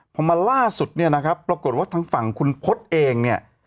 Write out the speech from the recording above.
พอแม้ล่าสุดปรากฏว่าคุณพลดเอง